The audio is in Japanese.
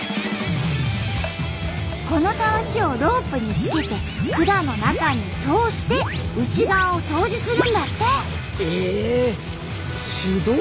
このタワシをロープにつけて管の中に通して内側を掃除するんだって！